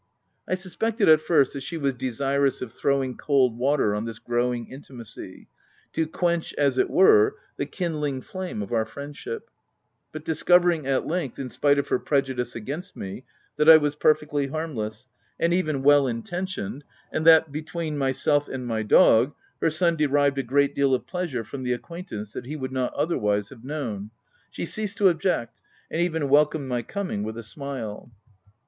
I suspected at first, that she was desirous of throwing cold water on this growing intimacy — to quench, as it were, the kindling flame of our friendship — but discover ing, at length, in spite of her prejudice against me, that I was perfectly harmless, and even well intentioned, and that, between myself and my dog, her son derived a great deal of plea sure from the acquaintance, that he would not otherwise have known, she ceased to object, and even welcomed my coming with a smile.